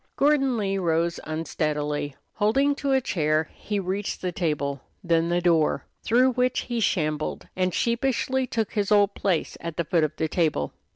Gordon Lee rose unsteadily. Holding to a chair, he reached the table, then the door, through which he shambled, and sheepishly took his old place at the foot of the table.